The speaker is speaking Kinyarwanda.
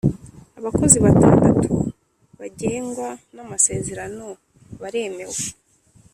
(abakozi batandatu bagengwa n’amasezerano baremewe);